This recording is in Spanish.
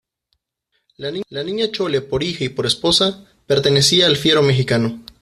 la Niña Chole por hija y por esposa, pertenecía al fiero mexicano